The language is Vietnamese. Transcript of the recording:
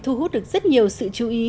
thu hút được rất nhiều sự chú ý